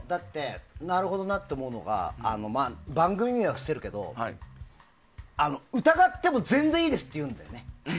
なるほどなって思うのが番組名は伏せるけど疑っても全然いいですっていうんですよね。